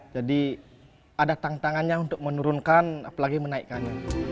jadi ada tantangannya untuk menurunkan apalagi menaikkannya